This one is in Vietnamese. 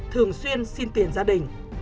thường xuyên xin tiền gia đình